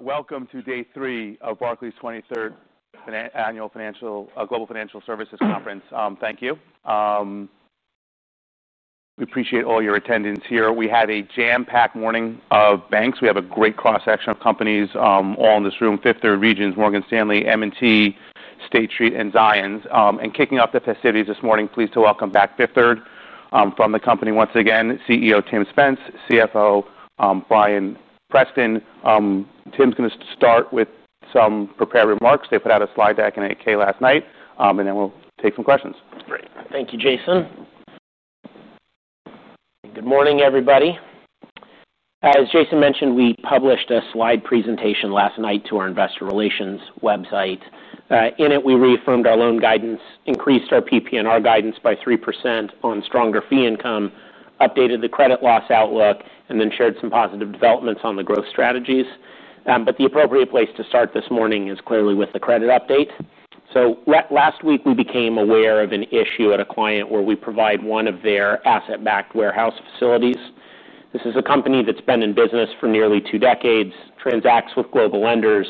Welcome to day three of Barclays' 23rd Annual Global Financial Services Conference. Thank you. We appreciate all your attendance here. We had a jam-packed morning of banks. We have a great cross-section of companies all in this room: Fifth Third, Regions, Morgan Stanley, M&T, State Street, and Zions. Kicking off the festivities this morning, pleased to welcome back Fifth Third, from the company once again, CEO Tim Spence, CFO Bryan Preston. Tim's going to start with some prepared remarks. They put out a slide deck in 8-K last night, and then we'll take some questions. Great. Thank you, Jason. Good morning, everybody. As Jason mentioned, we published a slide presentation last night to our investor relations website. In it, we reaffirmed our loan guidance, increased our PP&R guidance by 3% on stronger fee income, updated the credit loss outlook, and then shared some positive developments on the growth strategies. The appropriate place to start this morning is clearly with the credit update. Last week, we became aware of an issue at a client where we provide one of their asset-backed warehouse facilities. This is a company that's been in business for nearly two decades, transacts with global lenders,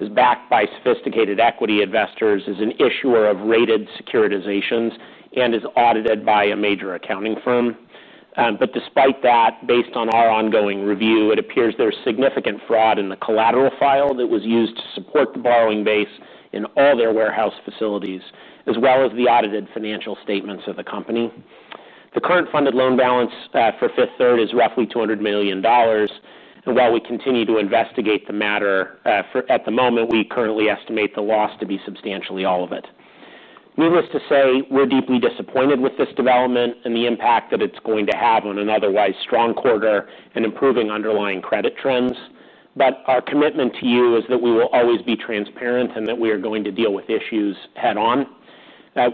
is backed by sophisticated equity investors, is an issuer of rated securitizations, and is audited by a major accounting firm. Despite that, based on our ongoing review, it appears there's significant fraud in the collateral file that was used to support the borrowing base in all their warehouse facilities, as well as the audited financial statements of the company. The current funded loan balance for Fifth Third is roughly $200 million. While we continue to investigate the matter, at the moment, we currently estimate the loss to be substantially all of it. Needless to say, we're deeply disappointed with this development and the impact that it's going to have on an otherwise strong quarter and improving underlying credit trends. Our commitment to you is that we will always be transparent and that we are going to deal with issues head-on.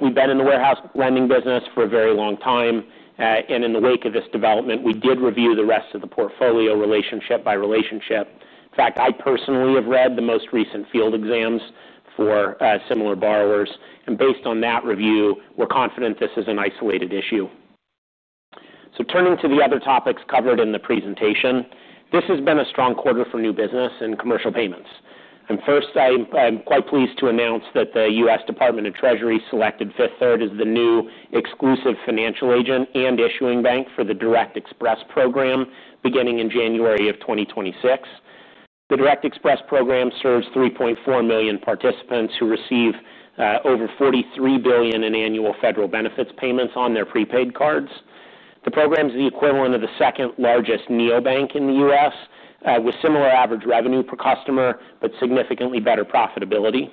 We've been in the warehouse lending business for a very long time. In the wake of this development, we did review the rest of the portfolio relationship by relationship. In fact, I personally have read the most recent field exams for similar borrowers. Based on that review, we're confident this is an isolated issue. Turning to the other topics covered in the presentation, this has been a strong quarter for new business and commercial payments. First, I'm quite pleased to announce that the U.S. Department of the Treasury selected Fifth Third as the new exclusive financial agent and issuing bank for the Direct Express program beginning in January of 2026. The Direct Express program serves 3.4 million participants who receive over $43 billion in annual federal benefits payments on their prepaid cards. The program is the equivalent of the second largest neobank in the U.S., with similar average revenue per customer, but significantly better profitability.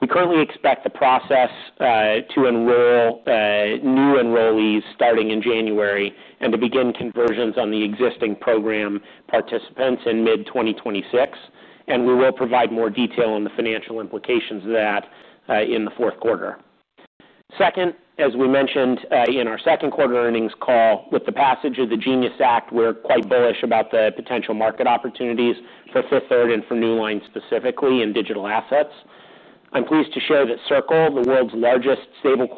We currently expect the process to enroll new enrollees starting in January and to begin conversions on the existing program participants in mid-2026. We will provide more detail on the financial implications of that in the fourth quarter. Second, as we mentioned in our second quarter earnings call, with the passage of the Genius Act, we're quite bullish about the potential market opportunities for Fifth Third and for Newline specifically in digital assets. I'm pleased to share that Circle, the world's largest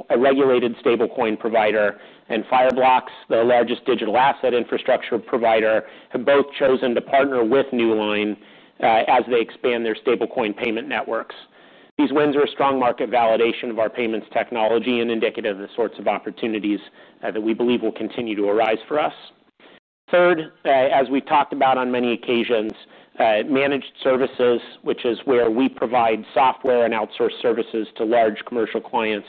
regulated stablecoin provider, and Fireblocks, the largest digital asset infrastructure provider, have both chosen to partner with Newline as they expand their stablecoin payment networks. These wins are a strong market validation of our payments technology and indicative of the sorts of opportunities that we believe will continue to arise for us. Third, as we've talked about on many occasions, managed services, which is where we provide software and outsourced services to large commercial clients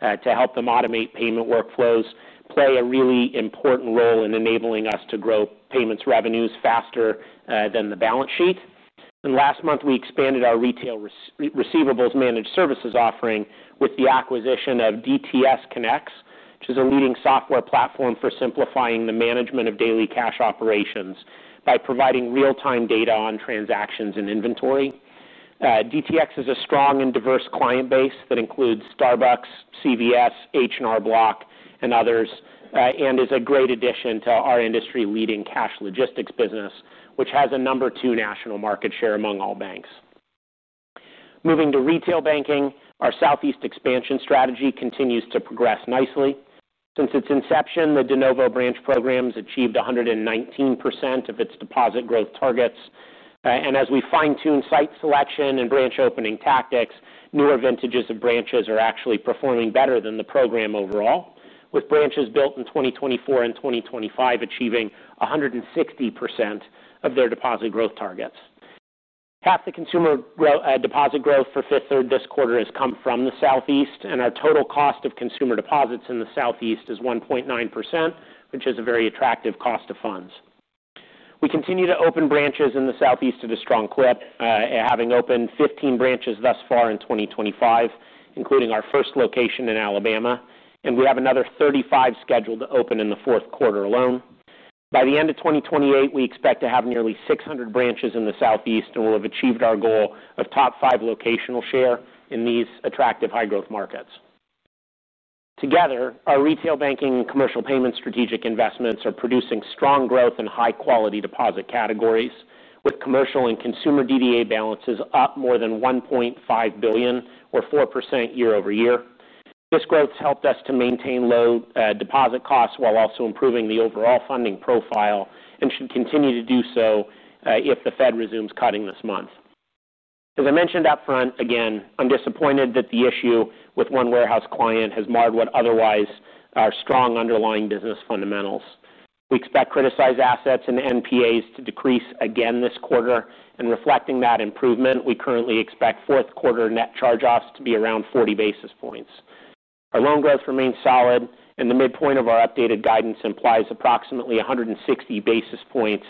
to help them automate payment workflows, play a really important role in enabling us to grow payments revenues faster than the balance sheet. Last month, we expanded our retail receivables managed services offering with the acquisition of DTS Connects, which is a leading software platform for simplifying the management of daily cash operations by providing real-time data on transactions and inventory. DTS has a strong and diverse client base that includes Starbucks, CVS, H&R Block, and others, and is a great addition to our industry-leading cash logistics business, which has a number two national market share among all banks. Moving to retail banking, our Southeast expansion strategy continues to progress nicely. Since its inception, the de novo branch program has achieved 119% of its deposit growth targets. As we fine-tune site selection and branch opening tactics, newer vintages of branches are actually performing better than the program overall, with branches built in 2024 and 2025 achieving 160% of their deposit growth targets. Half the consumer deposit growth for Fifth Third this quarter has come from the Southeast, and our total cost of consumer deposits in the Southeast is 1.9%, which is a very attractive cost of funds. We continue to open branches in the Southeast at a strong clip, having opened 15 branches thus far in 2025, including our first location in Alabama. We have another 35 scheduled to open in the fourth quarter alone. By the end of 2028, we expect to have nearly 600 branches in the Southeast and will have achieved our goal of top five locational share in these attractive high-growth markets. Together, our retail banking and commercial payments strategic investments are producing strong growth in high-quality deposit categories, with commercial and consumer DDA balances up more than $1.5 billion, or 4% year-over-year. This growth has helped us to maintain low deposit costs while also improving the overall funding profile and should continue to do so if the Fed resumes cutting this month. As I mentioned upfront, again, I'm disappointed that the issue with one warehouse client has marred what otherwise are strong underlying business fundamentals. We expect criticized assets and NPAs to decrease again this quarter. Reflecting that improvement, we currently expect fourth quarter net charge-offs to be around 40 basis points. Our loan growth remains solid, and the midpoint of our updated guidance implies approximately 160 basis points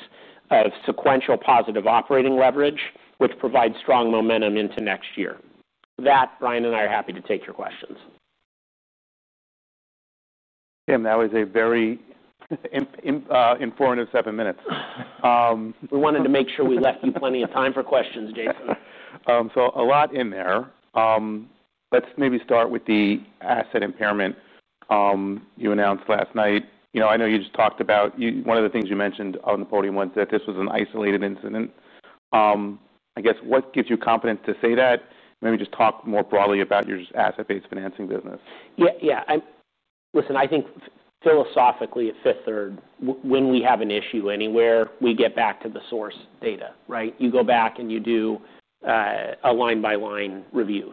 of sequential positive operating leverage, which provides strong momentum into next year. With that, Bryan and I are happy to take your questions. Tim, that was a very informative seven minutes. We wanted to make sure we left you plenty of time for questions, Jason. A lot in there. Let's maybe start with the asset impairment you announced last night. I know you just talked about one of the things you mentioned on the podium was that this was an isolated incident. I guess, what gives you confidence to say that? Maybe just talk more broadly about your asset-based financing business. Yeah, yeah. Listen, I think philosophically at Fifth Third, when we have an issue anywhere, we get back to the source data, right? You go back and you do a line-by-line review.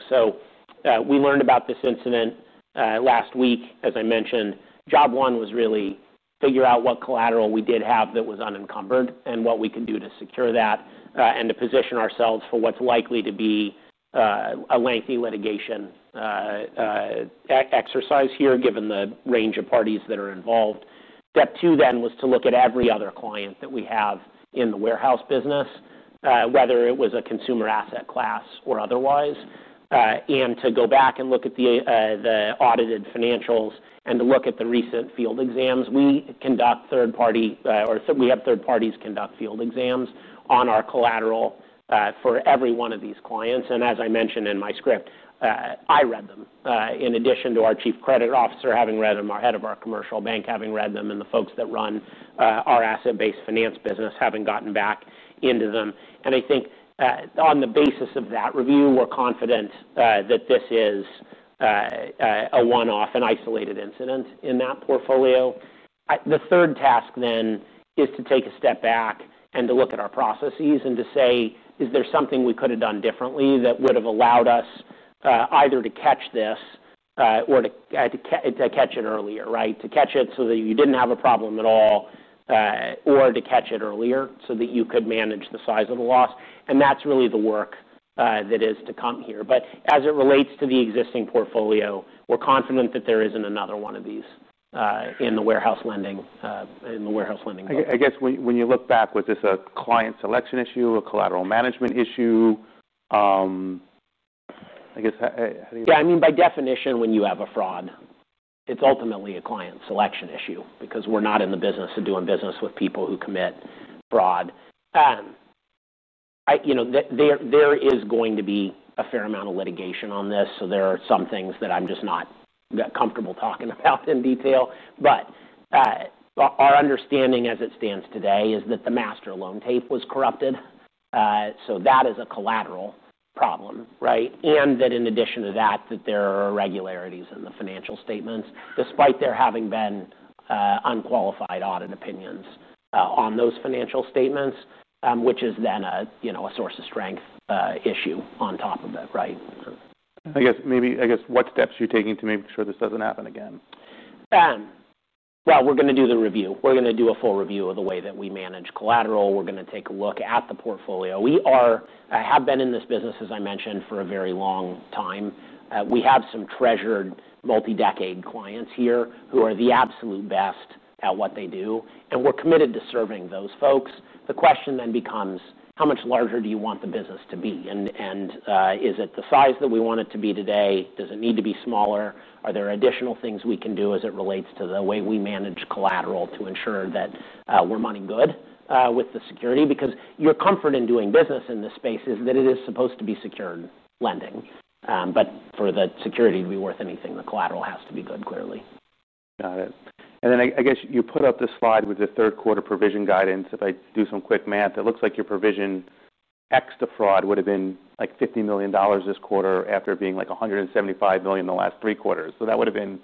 We learned about this incident last week, as I mentioned. Job one was really figure out what collateral we did have that was unencumbered and what we can do to secure that and to position ourselves for what's likely to be a lengthy litigation exercise here given the range of parties that are involved. Step two was to look at every other client that we have in the warehouse business, whether it was a consumer asset class or otherwise, and to go back and look at the audited financials and to look at the recent field exams. We conduct third-party, or we have third parties conduct field exams on our collateral for every one of these clients. As I mentioned in my script, I read them in addition to our Chief Credit Officer having read them, our Head of our Commercial Bank having read them, and the folks that run our asset-based finance business having gotten back into them. I think on the basis of that review, we're confident that this is a one-off, an isolated incident in that portfolio. The third task is to take a step back and to look at our processes and to say, is there something we could have done differently that would have allowed us either to catch this or to catch it earlier, right? To catch it so that you didn't have a problem at all or to catch it earlier so that you could manage the size of the loss. That's really the work that is to come here. As it relates to the existing portfolio, we're confident that there isn't another one of these in the warehouse lending group. I guess when you look back, was this a client selection issue or a collateral management issue? How do you? Yeah, I mean, by definition, when you have a fraud, it's ultimately a client selection issue because we're not in the business of doing business with people who commit fraud. There is going to be a fair amount of litigation on this. There are some things that I'm just not that comfortable talking about in detail. Our understanding as it stands today is that the master loan tape was corrupted. That is a collateral problem, right? In addition to that, there are irregularities in the financial statements despite there having been unqualified audit opinions on those financial statements, which is then a source of strength issue on top of that, right? What steps are you taking to make sure this doesn't happen again? We're going to do the review. We're going to do a full review of the way that we manage collateral. We're going to take a look at the portfolio. We have been in this business, as I mentioned, for a very long time. We have some treasured multi-decade clients here who are the absolute best at what they do, and we're committed to serving those folks. The question then becomes, how much larger do you want the business to be? Is it the size that we want it to be today? Does it need to be smaller? Are there additional things we can do as it relates to the way we manage collateral to ensure that we're running good with the security? Your comfort in doing business in this space is that it is supposed to be secured lending. For the security to be worth anything, the collateral has to be good, clearly. Got it. I guess you put up this slide with the third quarter provision guidance. If I do some quick math, it looks like your provision ex the fraud would have been like $50 million this quarter after being like $175 million in the last three quarters. That would have been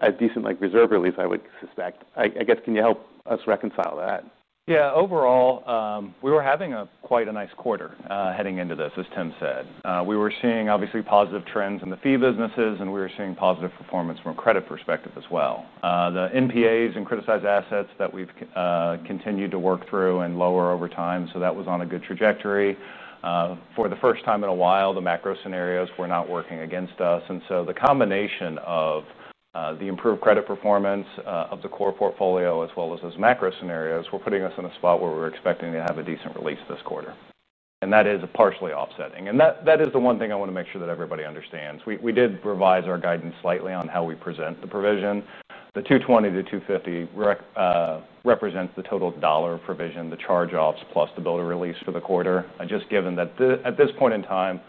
a decent reserve relief, I would suspect. Can you help us reconcile that? Yeah. Overall, we were having quite a nice quarter heading into this, as Tim said. We were seeing obviously positive trends in the fee businesses, and we were seeing positive performance from a credit perspective as well. The NPAs and criticized assets that we've continued to work through and lower over time, that was on a good trajectory. For the first time in a while, the macro scenarios were not working against us. The combination of the improved credit performance of the core portfolio, as well as those macro scenarios, were putting us in a spot where we were expecting to have a decent release this quarter. That is partially offsetting. That is the one thing I want to make sure that everybody understands. We did revise our guidance slightly on how we present the provision. The $220 million-$250 million represents the total dollar provision, the charge-offs plus the build or release for the quarter. Just given that at this point in time,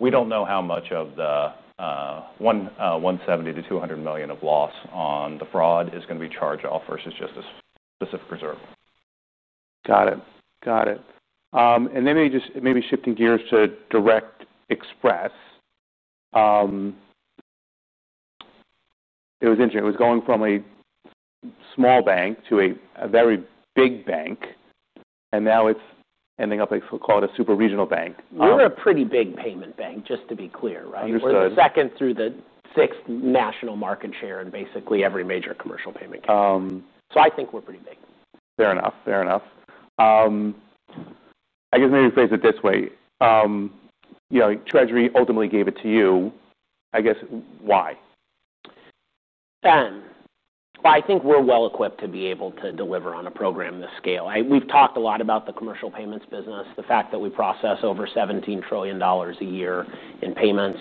we don't know how much of the $170 million-$200 million of loss on the fraud is going to be charged off versus just a specific reserve. Got it. Got it. Maybe just shifting gears to Direct Express. It was interesting. It was going from a small bank to a very big bank, and now it's ending up, I call it a super regional bank. We're a pretty big payments bank, just to be clear, right? Understood. We're the second through the sixth national market share in basically every major commercial payments gate. I think we're pretty big. Fair enough. I guess maybe let's face it this way. You know, the U.S. Department of the Treasury ultimately gave it to you. I guess, why? I think we're well-equipped to be able to deliver on a program this scale. We've talked a lot about the commercial payments business, the fact that we process over $17 trillion a year in payments.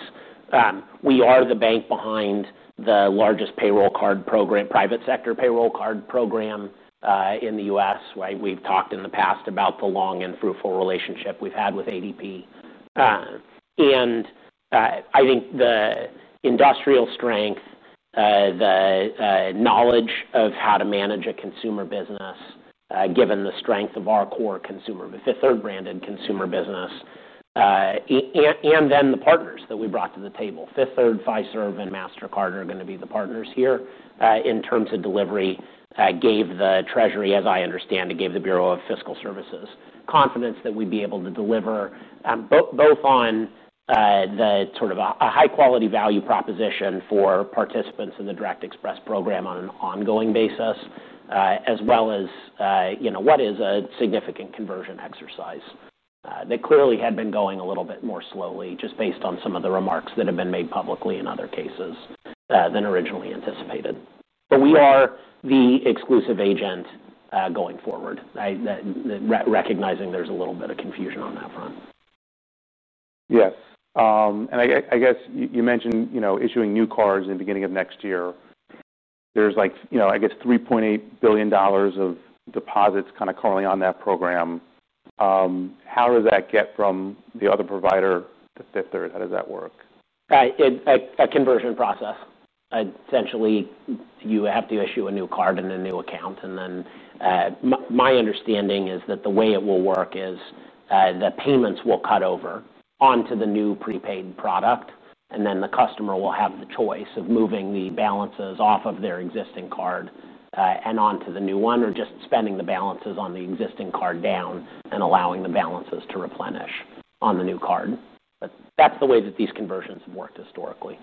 We are the bank behind the largest payroll card program, private sector payroll card program in the U.S., right? We've talked in the past about the long and fruitful relationship we've had with ADP. I think the industrial strength, the knowledge of how to manage a consumer business, given the strength of our core consumer, Fifth Third branded consumer business, and then the partners that we brought to the table. Fifth Third, Fiserv, and MasterCard are going to be the partners here in terms of delivery, gave the U.S. Department of the Treasury, as I understand it, gave the Bureau of Fiscal Services confidence that we'd be able to deliver both on the sort of a high-quality value proposition for participants in the Direct Express program on an ongoing basis, as well as, you know, what is a significant conversion exercise that clearly had been going a little bit more slowly just based on some of the remarks that have been made publicly in other cases than originally anticipated. We are the exclusive agent going forward, recognizing there's a little bit of confusion on that front. Yes, you mentioned issuing new cards in the beginning of next year. There's $3.8 billion of deposits kind of calling on that program. How does that get from the other provider to Fifth Third? How does that work? A conversion process. Essentially, you have to issue a new card in a new account. My understanding is that the way it will work is the payments will cut over onto the new prepaid product, and the customer will have the choice of moving the balances off of their existing card and onto the new one, or just spending the balances on the existing card down and allowing the balances to replenish on the new card. That is the way that these conversions have worked historically.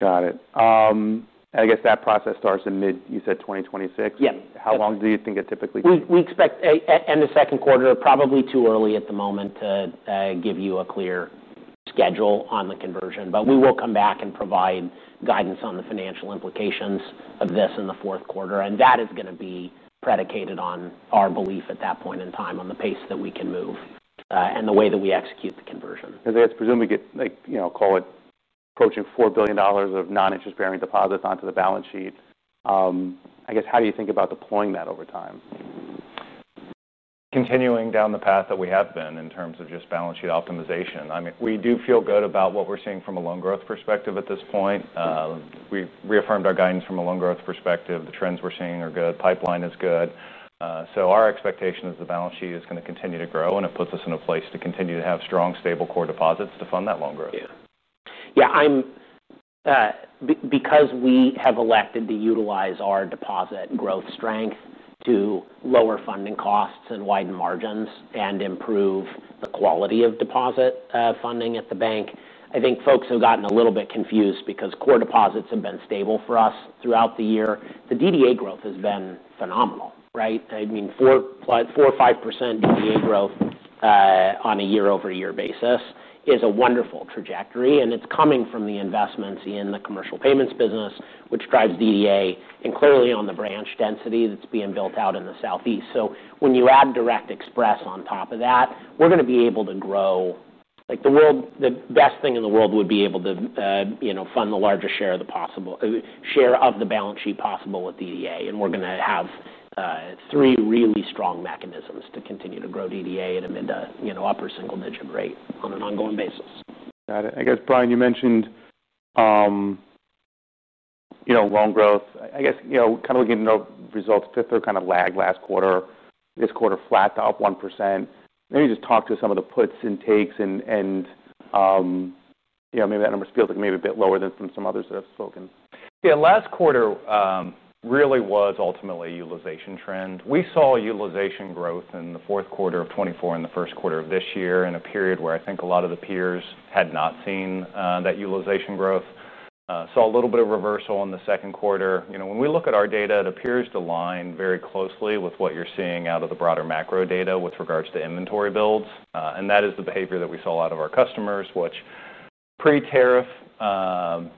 Got it. I guess that process starts in mid-2026. Yeah. How long do you think it typically takes? We expect end of second quarter, probably too early at the moment to give you a clear schedule on the conversion. We will come back and provide guidance on the financial implications of this in the fourth quarter. That is going to be predicated on our belief at that point in time on the pace that we can move and the way that we execute the conversion. Presuming we get, like, call it approaching $4 billion of non-interest-bearing deposits onto the balance sheet, how do you think about deploying that over time? Continuing down the path that we have been in terms of just balance sheet optimization. We do feel good about what we're seeing from a loan growth perspective at this point. We've reaffirmed our guidance from a loan growth perspective. The trends we're seeing are good. Pipeline is good. Our expectation is the balance sheet is going to continue to grow, and it puts us in a place to continue to have strong, stable core deposits to fund that loan growth. Yeah. Yeah. Because we have elected to utilize our deposit growth strength to lower funding costs, widen margins, and improve the quality of deposit funding at the bank, I think folks have gotten a little bit confused because core deposits have been stable for us throughout the year. The DDA growth has been phenomenal, right? I mean, +4% or 5% DDA growth on a year-over-year basis is a wonderful trajectory. It's coming from the investments in the commercial payments business, which drives DDA, and clearly on the branch density that's being built out in the Southeast. When you add Direct Express on top of that, we're going to be able to grow like the world. The best thing in the world would be able to, you know, fund the largest share of the possible share of the balance sheet possible with DDA. We're going to have three really strong mechanisms to continue to grow DDA at a mid to, you know, upper single-digit rate on an ongoing basis. Got it. I guess, Bryan, you mentioned, you know, loan growth. I guess, you know, kind of looking at the results, Fifth Third kind of lagged last quarter. This quarter flat topped 1%. Maybe just talk to some of the puts and takes and, you know, maybe that number feels like maybe a bit lower than from some others that have spoken. Yeah. Last quarter, really was ultimately a utilization trend. We saw utilization growth in the fourth quarter of 2024 and the first quarter of this year in a period where I think a lot of the peers had not seen that utilization growth. Saw a little bit of reversal in the second quarter. You know, when we look at our data, it appears to line very closely with what you're seeing out of the broader macro data with regards to inventory builds. That is the behavior that we saw a lot of our customers, which pre-tariff,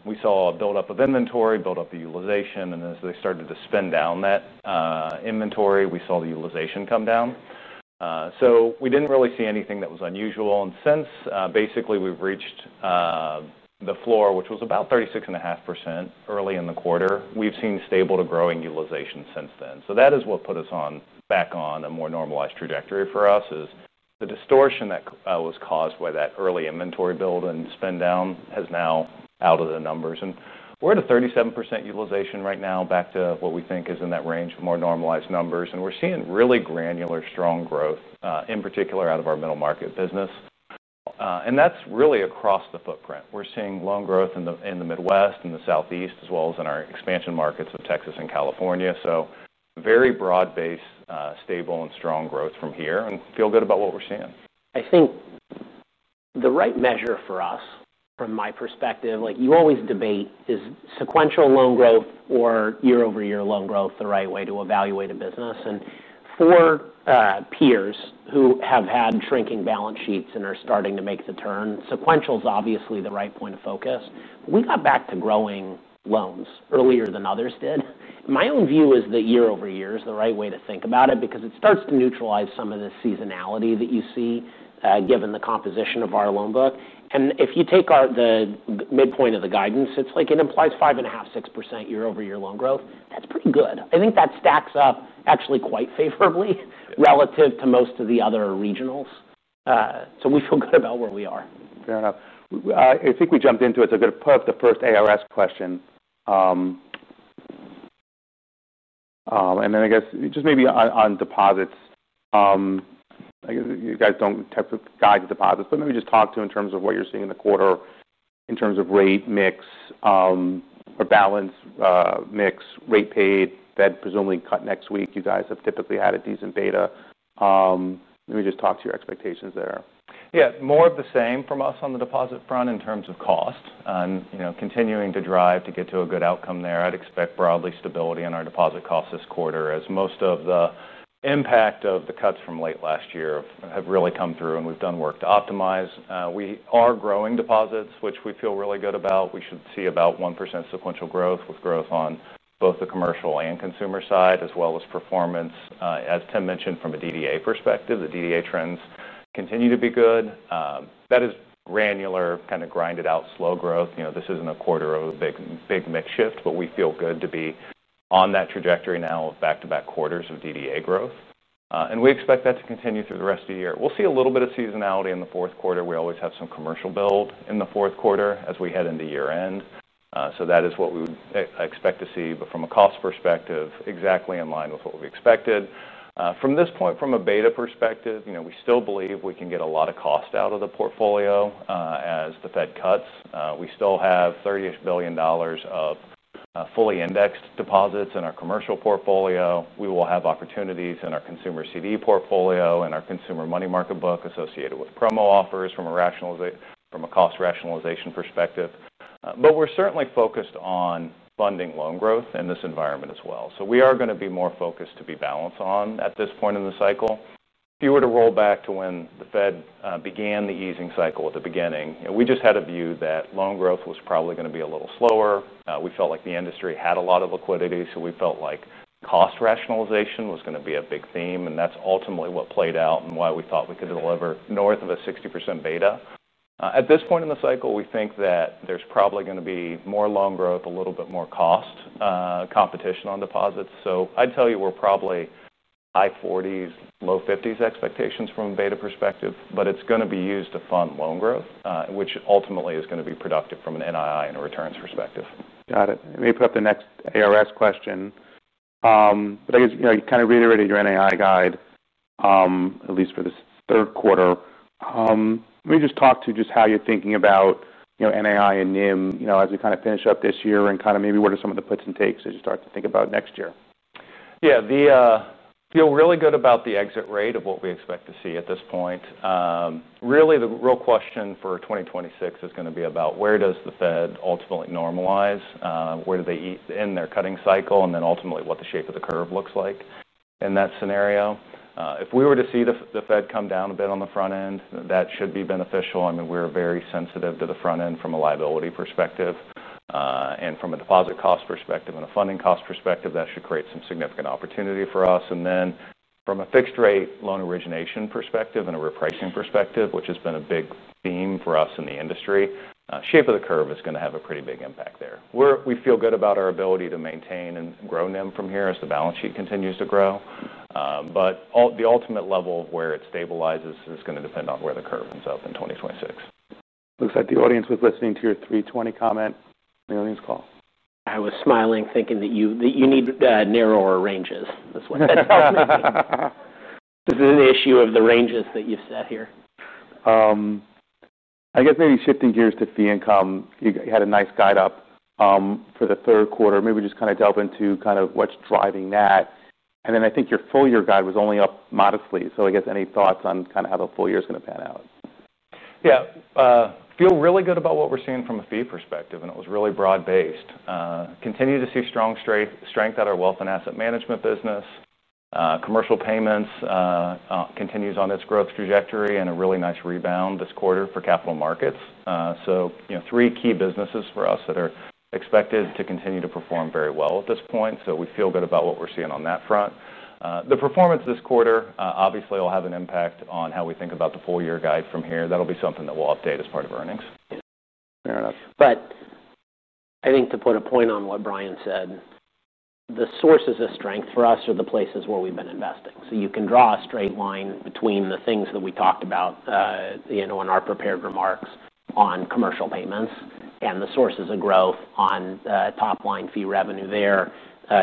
we saw a buildup of inventory, buildup of utilization. As they started to spin down that inventory, we saw the utilization come down. We didn't really see anything that was unusual. Since basically we've reached the floor, which was about 36.5% early in the quarter, we've seen stable to growing utilization since then. That is what put us back on a more normalized trajectory for us as the distortion that was caused by that early inventory build and spin down has now out of the numbers. We're at a 37% utilization right now, back to what we think is in that range of more normalized numbers. We're seeing really granular strong growth, in particular out of our middle market business. That's really across the footprint. We're seeing loan growth in the Midwest and the Southeast, as well as in our expansion markets of Texas and California. Very broad-based, stable, and strong growth from here and feel good about what we're seeing. I think the right measure for us, from my perspective, like you always debate, is sequential loan growth or year-over-year loan growth the right way to evaluate a business? For peers who have had shrinking balance sheets and are starting to make the turn, sequential is obviously the right point of focus. We got back to growing loans earlier than others did. My own view is that year-over-year is the right way to think about it because it starts to neutralize some of the seasonality that you see given the composition of our loan book. If you take the midpoint of the guidance, it implies 5.5%, 6% year-over-year loan growth. That's pretty good. I think that stacks up actually quite favorably relative to most of the other regionals. We feel good about where we are. Fair enough. I think we jumped into it. I'm going to put up the first ARS question. I guess just maybe on deposits, you guys don't guide the deposits, but maybe just talk to in terms of what you're seeing in the quarter in terms of rate mix or balance mix rate paid. Fed presumably cut next week. You guys have typically had a decent beta. Maybe just talk to your expectations there. Yeah. More of the same from us on the deposit front in terms of cost and continuing to drive to get to a good outcome there. I'd expect broadly stability on our deposit costs this quarter as most of the impact of the cuts from late last year have really come through and we've done work to optimize. We are growing deposits, which we feel really good about. We should see about 1% sequential growth with growth on both the commercial and consumer side, as well as performance. As Tim mentioned, from a DDA perspective, the DDA trends continue to be good. That is granular, kind of grinded out slow growth. This isn't a quarter of a big mix shift, but we feel good to be on that trajectory now of back-to-back quarters of DDA growth. We expect that to continue through the rest of the year. We'll see a little bit of seasonality in the fourth quarter. We always have some commercial build in the fourth quarter as we head into year-end. That is what we would expect to see. From a cost perspective, exactly in line with what we expected. From this point, from a beta perspective, we still believe we can get a lot of cost out of the portfolio as the Fed cuts. We still have $30 billion of fully indexed deposits in our commercial portfolio. We will have opportunities in our consumer CD portfolio and our consumer money market book associated with promo offers from a cost rationalization perspective. We're certainly focused on funding loan growth in this environment as well. We are going to be more focused to be balanced on at this point in the cycle. If you were to roll back to when the Fed began the easing cycle at the beginning, we just had a view that loan growth was probably going to be a little slower. We felt like the industry had a lot of liquidity. We felt like cost rationalization was going to be a big theme. That's ultimately what played out and why we thought we could deliver north of a 60% beta. At this point in the cycle, we think that there's probably going to be more loan growth, a little bit more cost competition on deposits. I'd tell you we're probably high 40s, low 50s expectations from a beta perspective, but it's going to be used to fund loan growth, which ultimately is going to be productive from an NII and a returns perspective. Got it. Let me put up the next ARS question. I guess you kind of reiterated your NII guide, at least for this third quarter. Let me just talk to just how you're thinking about NII and NIM as we kind of finish up this year and kind of maybe what are some of the puts and takes as you start to think about next year. Yeah. Feel really good about the exit rate of what we expect to see at this point. Really, the real question for 2026 is going to be about where does the Fed ultimately normalize, where do they end their cutting cycle, and ultimately what the shape of the curve looks like in that scenario. If we were to see the Fed come down a bit on the front end, that should be beneficial. I mean, we're very sensitive to the front end from a liability perspective. From a deposit cost perspective and a funding cost perspective, that should create some significant opportunity for us. From a fixed rate loan origination perspective and a repricing perspective, which has been a big theme for us in the industry, shape of the curve is going to have a pretty big impact there. We feel good about our ability to maintain and grow NIM from here as the balance sheet continues to grow. The ultimate level of where it stabilizes is going to depend on where the curve ends up in 2026. Looks like the audience was listening to your 320 comment. The audience call. I was smiling, thinking that you need narrower ranges. This is an issue of the ranges that you've set here. I guess maybe shifting gears to fee income, you had a nice guide up for the third quarter. Maybe just kind of delve into what's driving that. I think your full year guide was only up modestly. I guess any thoughts on how the full year is going to pan out? Yeah. Feel really good about what we're seeing from a fee perspective, and it was really broad-based. Continue to see strong strength at our wealth and asset management business. Commercial payments continues on its growth trajectory and a really nice rebound this quarter for capital markets. Three key businesses for us that are expected to continue to perform very well at this point. We feel good about what we're seeing on that front. The performance this quarter obviously will have an impact on how we think about the full year guide from here. That'll be something that we'll update as part of earnings. Fair enough. I think to put a point on what Bryan said, the sources of strength for us are the places where we've been investing. You can draw a straight line between the things that we talked about in our prepared remarks on commercial payments and the sources of growth on top line fee revenue there.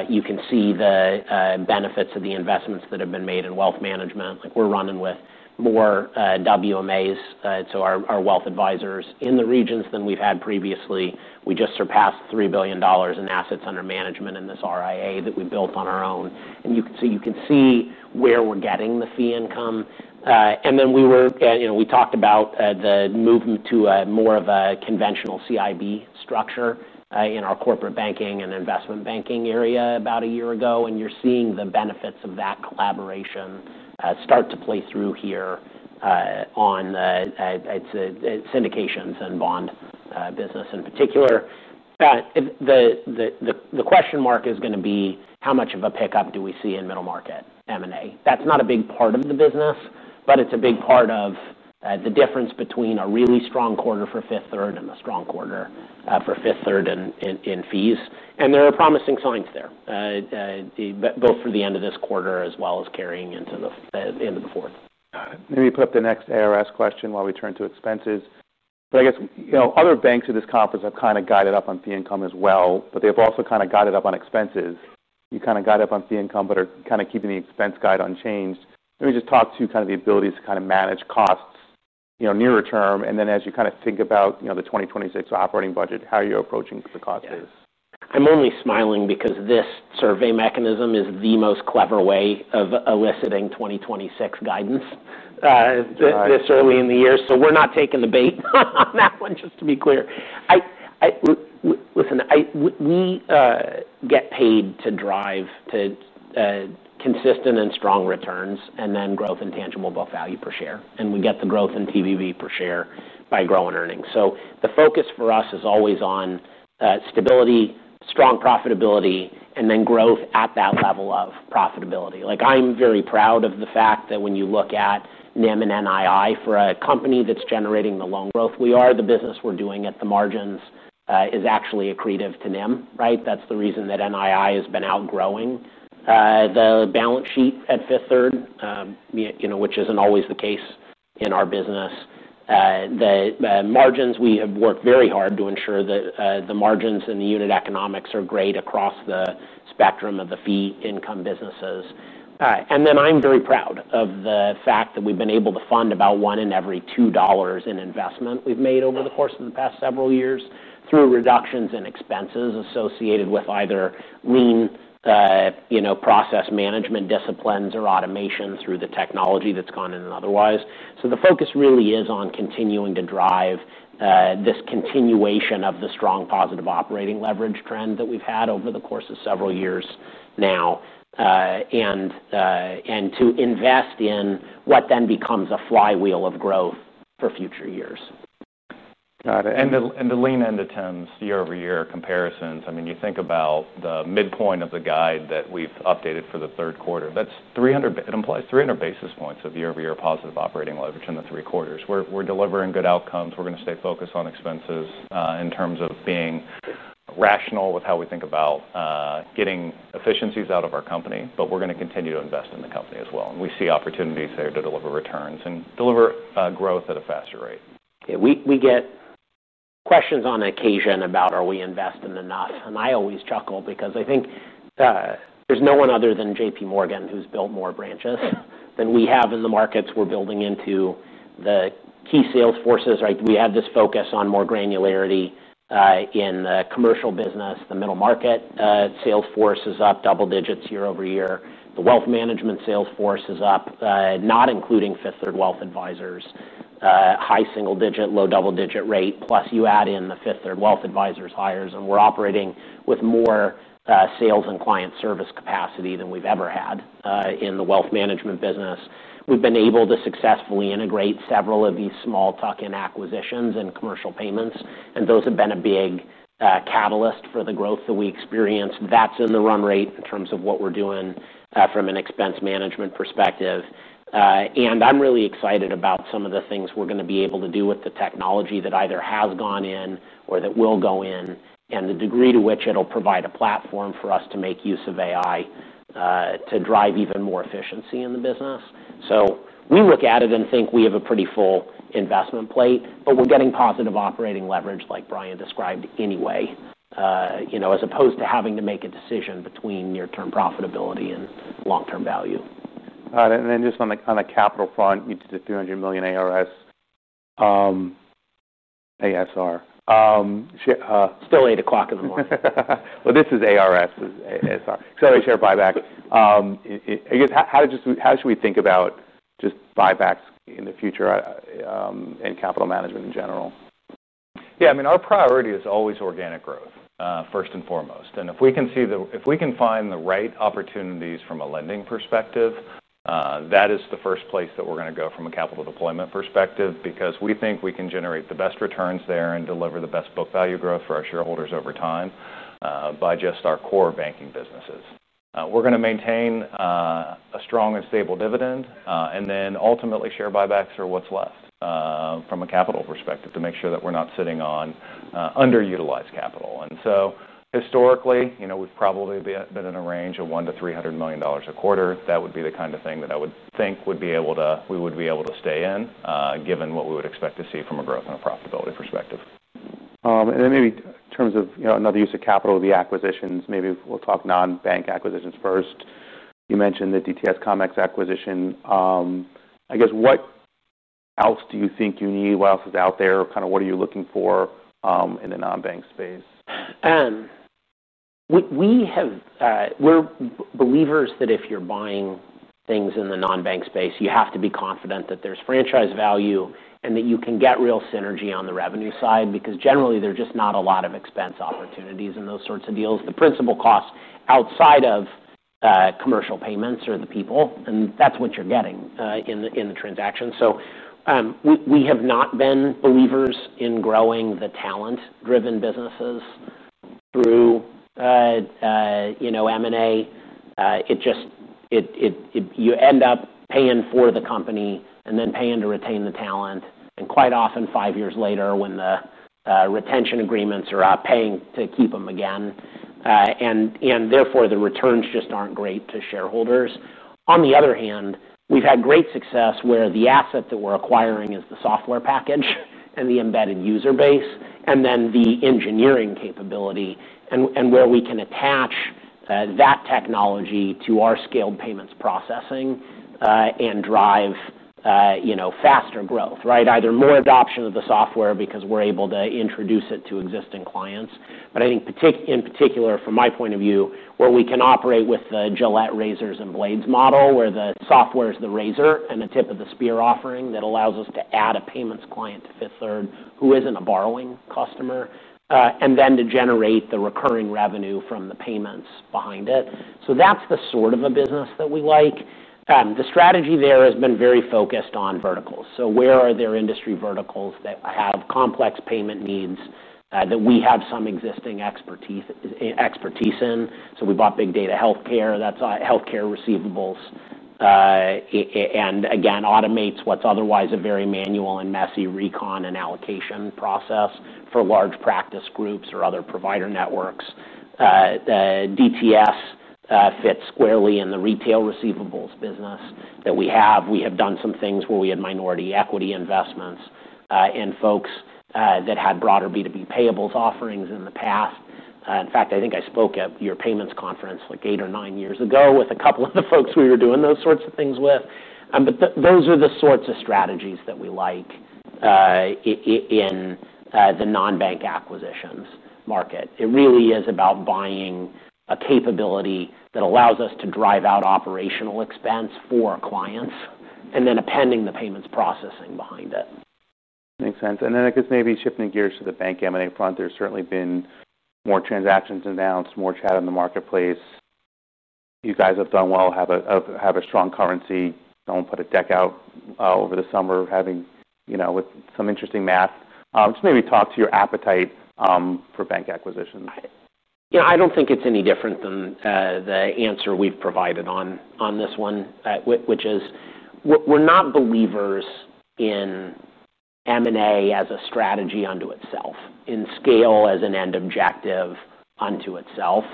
You can see the benefits of the investments that have been made in wealth management. We're running with more WMAs, so our wealth advisors in the regions, than we've had previously. We just surpassed $3 billion in assets under management in this RIA that we built on our own. You can see where we're getting the fee income. We talked about the movement to more of a conventional CIB structure in our corporate banking and investment banking area about a year ago. You're seeing the benefits of that collaboration start to play through here on the syndications and bond business in particular. The question mark is going to be how much of a pickup do we see in middle market M&A? That's not a big part of the business, but it's a big part of the difference between a really strong quarter for Fifth Third and a strong quarter for Fifth Third in fees. There are promising signs there, both for the end of this quarter as well as carrying into the end of the fourth. Maybe put up the next ARS question while we turn to expenses. I guess, you know, other banks at this conference have kind of guided up on fee income as well, but they've also kind of guided up on expenses. You kind of guide up on fee income, but are kind of keeping the expense guide unchanged. Let me just talk to kind of the abilities to kind of manage costs, you know, nearer term. As you kind of think about, you know, the 2026 operating budget, how are you approaching the cost base? I'm only smiling because this survey mechanism is the most clever way of eliciting 2026 guidance. It's certainly in the year. We're not taking the bait on that one, just to be clear. Listen, we get paid to drive consistent and strong returns and then growth in tangible book value per share. We get the growth in tangible book value per share by growing earnings. The focus for us is always on stability, strong profitability, and then growth at that level of profitability. I'm very proud of the fact that when you look at NIM and NII for a company that's generating the loan growth, we are the business we're doing at the margins is actually accretive to NIM, right? That's the reason that NII has been outgrowing the balance sheet at Fifth Third, which isn't always the case in our business. The margins, we have worked very hard to ensure that the margins and the unit economics are great across the spectrum of the fee income businesses. I'm very proud of the fact that we've been able to fund about one in every $2 in investment we've made over the course of the past several years through reductions in expenses associated with either lean process management disciplines or automation through the technology that's gone in and otherwise. The focus really is on continuing to drive this continuation of the strong positive operating leverage trend that we've had over the course of several years now and to invest in what then becomes a flywheel of growth for future years. Got it. To lean into Tim's year-over-year comparisons, you think about the midpoint of the guide that we've updated for the third quarter. That's 300. It implies 300 basis points of year-over-year positive operating leverage in the three quarters. We're delivering good outcomes. We're going to stay focused on expenses in terms of being rational with how we think about getting efficiencies out of our company. We're going to continue to invest in the company as well. We see opportunities there to deliver returns and deliver growth at a faster rate. We get questions on occasion about are we investing enough? I always chuckle because I think there's no one other than JPMorgan who's built more branches than we have in the markets we're building into the key sales forces, right? We had this focus on more granularity in the commercial business. The middle market sales force is up double digits year-over-year. The wealth management sales force is up, not including Fifth Third Wealth Advisors, high single digit, low double digit rate. Plus, you add in the Fifth Third Wealth Advisors hires, and we're operating with more sales and client service capacity than we've ever had in the wealth management business. We've been able to successfully integrate several of these small tuck-in acquisitions and commercial payments, and those have been a big catalyst for the growth that we experienced. That's in the run rate in terms of what we're doing from an expense management perspective. I'm really excited about some of the things we're going to be able to do with the technology that either has gone in or that will go in and the degree to which it'll provide a platform for us to make use of AI to drive even more efficiency in the business. We look at it and think we have a pretty full investment plate, but we're getting positive operating leverage like Bryan described anyway, you know, as opposed to having to make a decision between near-term profitability and long-term value. Got it. Just on the capital fund, you did the $300 million ASR. Still 8:00 A.M. This is ASR. Sorry, share buyback. I guess how should we think about just buybacks in the future and capital management in general? Yeah. I mean, our priority is always organic growth first and foremost. If we can find the right opportunities from a lending perspective, that is the first place that we're going to go from a capital deployment perspective because we think we can generate the best returns there and deliver the best book value growth for our shareholders over time by just our core banking businesses. We're going to maintain a strong and stable dividend, and then ultimately share buybacks are what's left from a capital perspective to make sure that we're not sitting on underutilized capital. Historically, we've probably been in a range of $100 million-$300 million a quarter. That would be the kind of thing that I would think we would be able to stay in given what we would expect to see from a growth and a profitability perspective. Maybe in terms of another use of capital, the acquisitions, maybe we'll talk non-bank acquisitions first. You mentioned the DTS Connects acquisition. I guess what else do you think you need? What else is out there? Kind of what are you looking for in the non-bank space? We are believers that if you're buying things in the non-bank space, you have to be confident that there's franchise value and that you can get real synergy on the revenue side because generally there are just not a lot of expense opportunities in those sorts of deals. The principal costs outside of commercial payments are the people, and that's what you're getting in the transaction. We have not been believers in growing the talent-driven businesses through M&A. You end up paying for the company and then paying to retain the talent. Quite often, five years later, when the retention agreements are up, paying to keep them again. Therefore, the returns just aren't great to shareholders. On the other hand, we've had great success where the asset that we're acquiring is the software package and the embedded user base and then the engineering capability and where we can attach that technology to our scaled payments processing and drive faster growth, right? Either more adoption of the software because we're able to introduce it to existing clients. I think in particular, from my point of view, where we can operate with the Gillette razors and blades model where the software is the razor and the tip of the spear offering that allows us to add a payments client to Fifth Third who isn't a borrowing customer and then to generate the recurring revenue from the payments behind it. That's the sort of a business that we like. The strategy there has been very focused on verticals. Where are there industry verticals that have complex payment needs that we have some existing expertise in? We bought Big Data Healthcare. That's healthcare receivables. Again, automates what's otherwise a very manual and messy recon and allocation process for large practice groups or other provider networks. DTS fits squarely in the retail receivables business that we have. We have done some things where we had minority equity investments in folks that had broader B2B payables offerings in the past. In fact, I think I spoke at your payments conference like eight or nine years ago with a couple of the folks we were doing those sorts of things with. Those are the sorts of strategies that we like in the non-bank acquisitions market. It really is about buying a capability that allows us to drive out operational expense for clients and then appending the payments processing behind it. Makes sense. I guess maybe shifting gears to the bank M&A front, there's certainly been more transactions announced, more chat in the marketplace. You guys have done well, have a strong currency. No one put a deck out over the summer with some interesting math. Just maybe talk to your appetite for bank acquisitions. Yeah, I don't think it's any different than the answer we've provided on this one, which is we're not believers in M&A as a strategy unto itself, in scale as an end objective unto itself.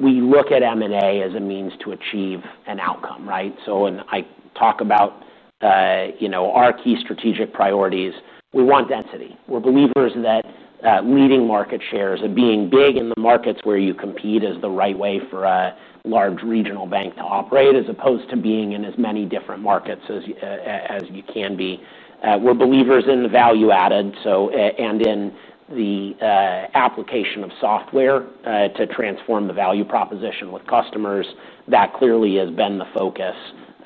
We look at M&A as a means to achieve an outcome, right? When I talk about our key strategic priorities, we want density. We're believers that leading market shares and being big in the markets where you compete is the right way for a large regional bank to operate as opposed to being in as many different markets as you can be. We're believers in the value added and in the application of software to transform the value proposition with customers. That clearly has been the focus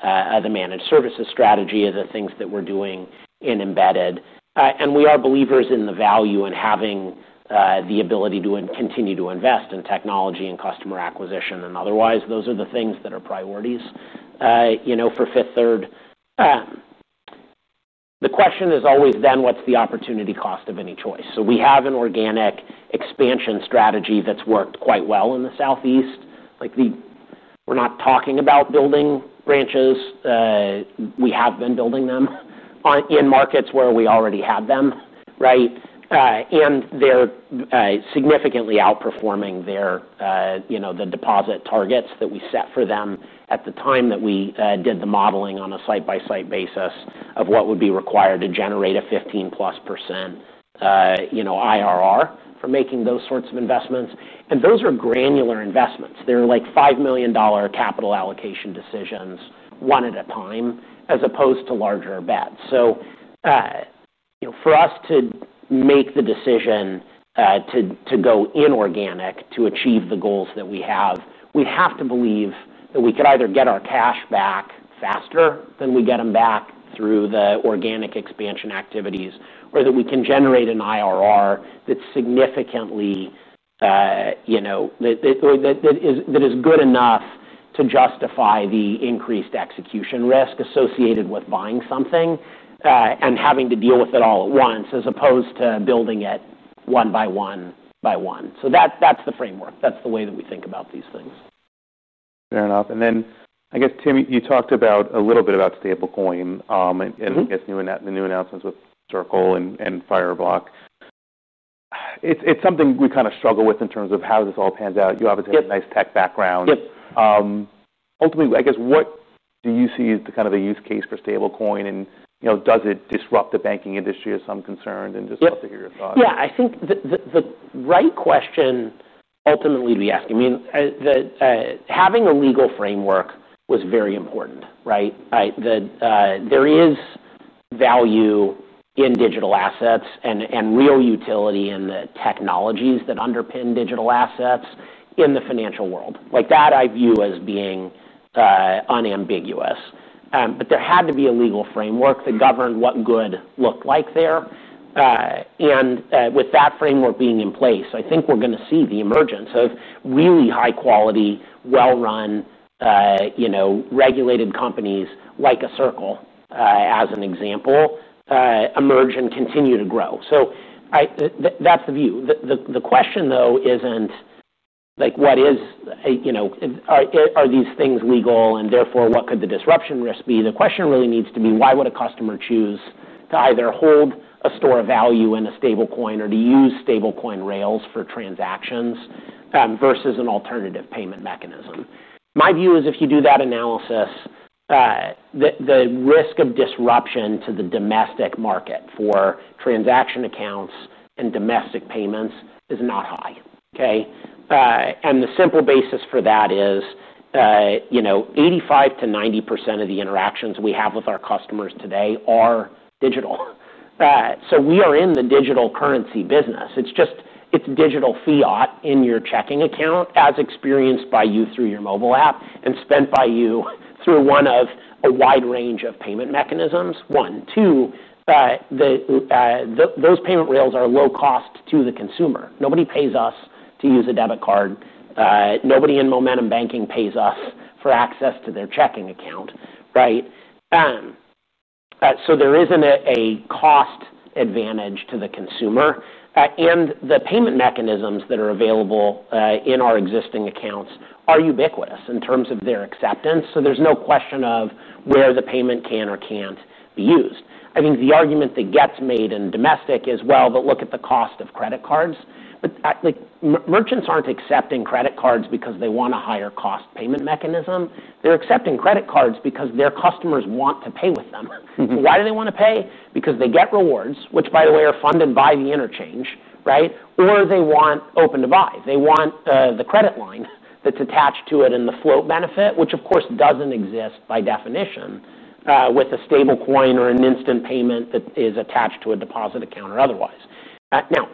of the managed services strategy of the things that we're doing in embedded. We are believers in the value and having the ability to continue to invest in technology and customer acquisition and otherwise. Those are the things that are priorities for Fifth Third. The question is always then what's the opportunity cost of any choice? We have an organic expansion strategy that's worked quite well in the Southeast. We're not talking about building branches. We have been building them in markets where we already had them, right? They're significantly outperforming the deposit targets that we set for them at the time that we did the modeling on a site-by-site basis of what would be required to generate a 15%+ IRR for making those sorts of investments. Those are granular investments. They're like $5 million capital allocation decisions, one at a time, as opposed to larger bets. For us to make the decision to go inorganic to achieve the goals that we have, we have to believe that we could either get our cash back faster than we get them back through the organic expansion activities, or that we can generate an IRR that's significantly, you know, that is good enough to justify the increased execution risk associated with buying something and having to deal with it all at once as opposed to building it one by one by one. That's the framework. That's the way that we think about these things. Fair enough. Tim, you talked a little bit about stablecoin and the new announcements with Circle and Fireblocks. It's something we kind of struggle with in terms of how this all pans out. You obviously have a nice tech background. Ultimately, what do you see as the kind of a use case for stablecoin? Does it disrupt the banking industry as I'm concerned? I'd just love to hear your thoughts. Yeah, I think the right question ultimately to be asking. I mean, having a legal framework was very important, right? There is value in digital assets and real utility in the technologies that underpin digital assets in the financial world. That I view as being unambiguous. There had to be a legal framework that governed what good looked like there. With that framework being in place, I think we're going to see the emergence of really high quality, well run, regulated companies like a Circle as an example emerge and continue to grow. That's the view. The question though isn't what is, are these things legal and therefore what could the disruption risk be? The question really needs to be why would a customer choose to either hold a store of value in a stablecoin or to use stablecoin rails for transactions versus an alternative payment mechanism. My view is if you do that analysis, the risk of disruption to the domestic market for transaction accounts and domestic payments is not high. The simple basis for that is, 85%-90% of the interactions we have with our customers today are digital. We are in the digital currency business. It's just, it's digital fiat in your checking account as experienced by you through your mobile app and spent by you through one of a wide range of payment mechanisms. One, two, those payment rails are low cost to the consumer. Nobody pays us to use a debit card. Nobody in Momentum Banking pays us for access to their checking account, right? There isn't a cost advantage to the consumer. The payment mechanisms that are available in our existing accounts are ubiquitous in terms of their acceptance. There's no question of where the payment can or can't be used. I think the argument that gets made in domestic is, look at the cost of credit cards. Merchants aren't accepting credit cards because they want a higher cost payment mechanism. They're accepting credit cards because their customers want to pay with them. Why do they want to pay? Because they get rewards, which by the way are funded by the interchange, right? Or they want Open to Buy. They want the credit line that's attached to it and the float benefit, which of course doesn't exist by definition with a stablecoin or an instant payment that is attached to a deposit account or otherwise. Now,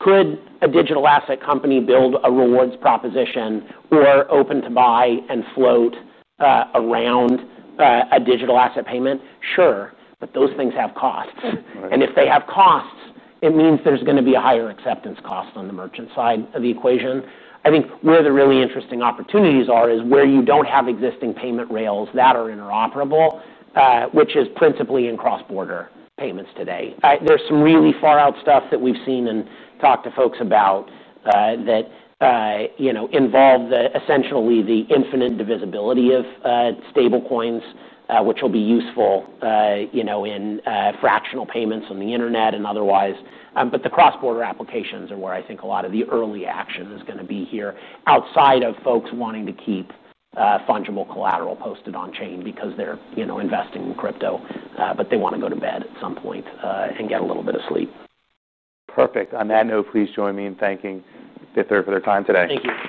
could a digital asset company build a rewards proposition or Open to Buy and float around a digital asset payment? Sure. Those things have costs. If they have costs, it means there's going to be a higher acceptance cost on the merchant side of the equation. I think where the really interesting opportunities are is where you don't have existing payment rails that are interoperable, which is principally in cross-border payments today. There is some really far out stuff that we've seen and talked to folks about that involve essentially the infinite divisibility of stablecoins, which will be useful in fractional payments on the internet and otherwise. The cross-border applications are where I think a lot of the early action is going to be here outside of folks wanting to keep fungible collateral posted on chain because they're investing in crypto, but they want to go to bed at some point and get a little bit of sleep. Perfect. On that note, please join me in thanking Fifth Third for their time today. Thank you.